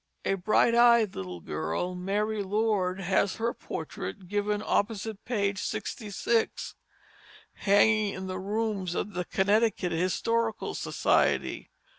A bright eyed little girl, Mary Lord, has her portrait, given opposite page 66, hanging in the rooms of the Connecticut Historical Society.